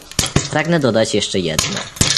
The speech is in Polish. Pragnę dodać jeszcze jedno